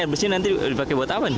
air bersih nanti dipakai buat apa